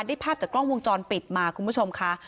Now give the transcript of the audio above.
ภาพจากกล้องวงจรปิดมาคุณผู้ชมค่ะ